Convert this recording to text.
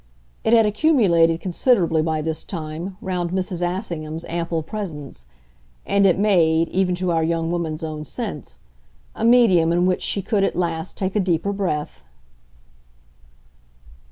It had accumulated, considerably, by this time, round Mrs. Assingham's ample presence, and it made, even to our young woman's own sense, a medium in which she could at last take a deeper breath.